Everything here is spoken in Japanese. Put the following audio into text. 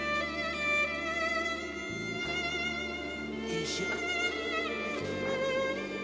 よいしょ。